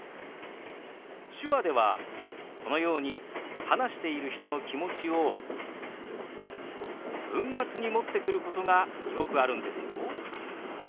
手話ではこのように話している人の気持ちを文末に持ってくることがよくあるんですよ。